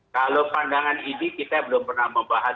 kalau pandangan ini kita belum pernah membahas